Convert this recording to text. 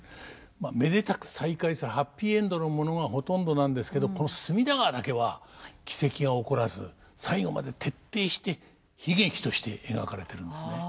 まあめでたく再会するハッピーエンドのものがほとんどなんですけどこの「隅田川」だけは奇跡が起こらず最後まで徹底して悲劇として描かれてるんですね。